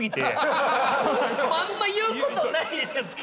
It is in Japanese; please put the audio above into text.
あんま言うことないですけど。